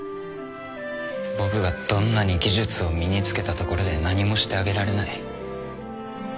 僕がどんなに技術を身に付けたところで何もしてあげられない。